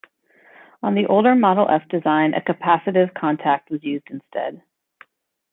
On the older Model F design, a capacitive contact was used instead.